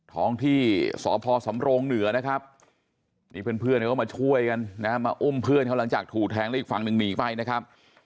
ท้องที่สพสำโรงเหนือนะครับนี่เพื่อนเขาก็มาช่วยกันนะฮะมาอุ้มเพื่อนเขาหลังจากถูกแทงแล้วอีกฝั่งหนึ่งหนีไปนะครับ